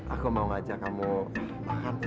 aku mau ngajak kamu makan